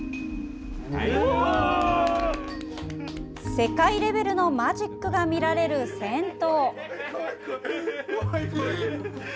世界レベルのマジックが見られる銭湯。